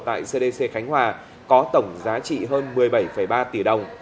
tại cdc khánh hòa có tổng giá trị hơn một mươi bảy ba tỷ đồng